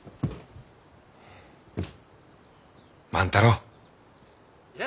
万太郎。